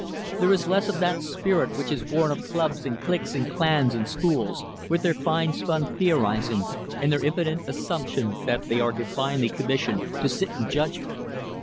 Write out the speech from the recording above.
There is less of that spirit which is born of clubs and cliques and clans and schools with their fine spun theorizing, and their impudent assumption that they are divinely commissioned to sit in judgment.